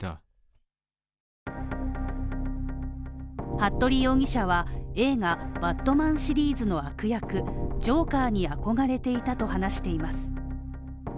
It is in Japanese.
服部容疑者は、映画「バッドマン」シリーズの悪役ジョーカーに憧れていたと話しています。